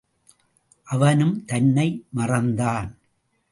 அவனும் தன்னை மறந்தான்.